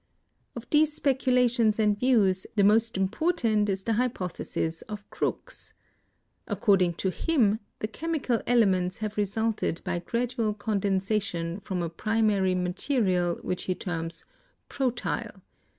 Of these speculations and views, the most important is the hypothesis of Crookes. According to him, the chemi cal elements have resulted by gradual condensation from a primary material which he terms "protyle."